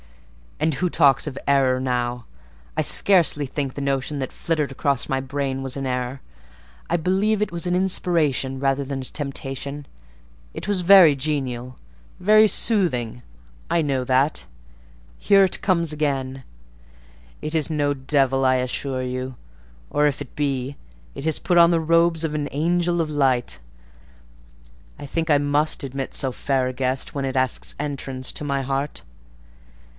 "And who talks of error now? I scarcely think the notion that flittered across my brain was an error. I believe it was an inspiration rather than a temptation: it was very genial, very soothing—I know that. Here it comes again! It is no devil, I assure you; or if it be, it has put on the robes of an angel of light. I think I must admit so fair a guest when it asks entrance to my heart."